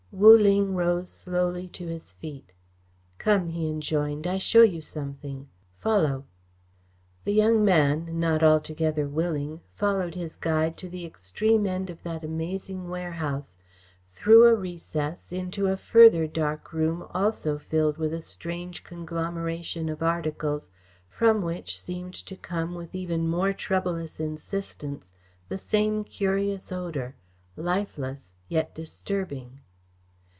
Wu Ling rose slowly to his feet. "Come," he enjoined. "I show you something. Follow!" The young man, not altogether willing, followed his guide to the extreme end of that amazing warehouse, through a recess into a further dark room also filled with a strange conglomeration of articles from which seemed to come with even more troublous insistence the same curious odour, lifeless yet disturbing.